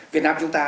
việt nam chúng ta